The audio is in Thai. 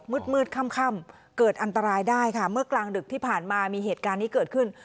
มืดมืดค่ำเกิดอันตรายได้ค่ะเมื่อกลางดึกที่ผ่านมามีเหตุการณ์นี้เกิดขึ้น